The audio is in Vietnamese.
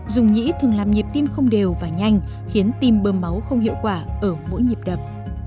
dùng nhĩ thường làm nhịp tim không đều và nhanh khiến tim bơm máu không hiệu quả ở mỗi nhịp đập